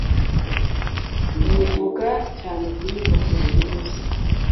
bivuga cyane kuri Coronavirus